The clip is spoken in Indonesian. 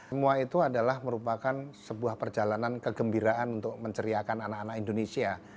semua itu adalah merupakan sebuah perjalanan kegembiraan untuk menceriakan anak anak indonesia